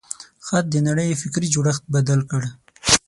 خط د نړۍ فکري جوړښت بدل کړ.